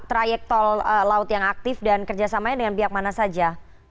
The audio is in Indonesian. trayek tol laut yang aktif dan kerjasamanya dengan pihak mana saja